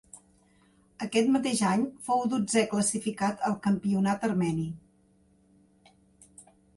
Aquest mateix any fou dotzè classificat al campionat armeni.